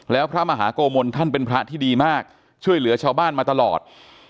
แล้วพระมหาโกมลท่านเป็นพระที่ดีมากช่วยเหลือชาวบ้านมาตลอด